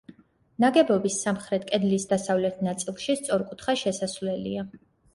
ნაგებობის სამხრეთ კედლის დასავლეთ ნაწილში სწორკუთხა შესასვლელია.